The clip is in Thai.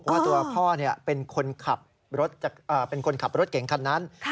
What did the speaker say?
ว่าตัวพ่อเป็นคนขับรถเก่งคันนั้น